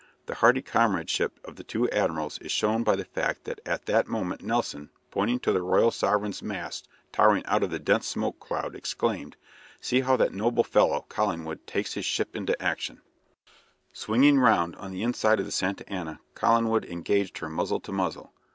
The hearty comradeship of the two admirals is shown by the fact that at that moment Nelson, pointing to the "Royal Sovereign's" masts towering out of the dense smoke cloud, exclaimed, "See how that noble fellow, Collingwood, takes his ship into action!" [Illustration: TRAFALGAR] Swinging round on the inside of the "Santa Ana," Collingwood engaged her muzzle to muzzle.